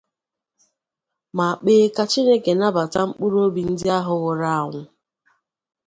ma kpee ka Chineke nabàta mkpụrụobi ndị ahụ nwụrụ anwụ